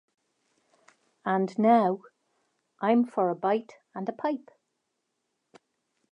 And now I'm for a bite and a pipe.